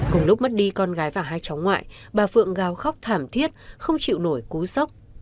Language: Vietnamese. cùng lúc mất đi con gái và hai cháu ngoại bà phượng gào khóc thảm thiết không chịu nổi cú sốc